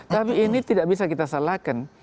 tapi ini tidak bisa kita salahkan